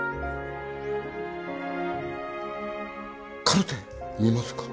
カルテ見ますか？